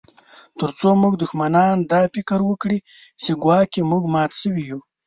ترڅو زموږ دښمنان دا فکر وکړي چې ګواکي موږ مات شوي یو